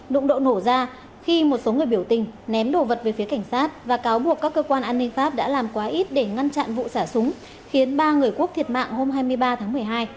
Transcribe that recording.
đụng độ nổ ra khi một số người biểu tình ném đồ vật về phía cảnh sát và cáo buộc các cơ quan an ninh pháp đã làm quá ít để ngăn chặn vụ xả súng khiến ba người quốc thiệt mạng hôm hai mươi ba tháng một mươi hai